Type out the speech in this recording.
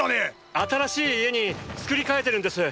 ⁉新しい家に作り替えてるんです。